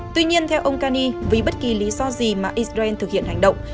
tuy nhiên theo ông kani vì bất kỳ lý do gì mà israel thực hiện hành động